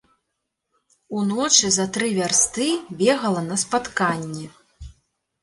Уночы за тры вярсты бегала на спатканне.